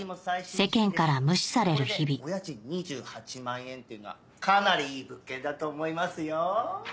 世間から無視される日々お家賃２８万円というのはかなりいい物件だと思いますよ。